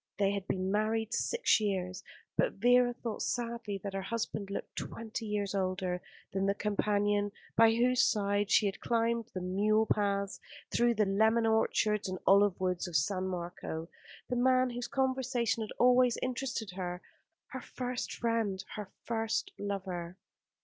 They had been married six years; but Vera thought sadly that her husband looked twenty years older than the companion by whose side she had climbed the mule paths, through the lemon orchards and olive woods of San Marco, the man whose conversation had always interested her, her first friend, her first lover.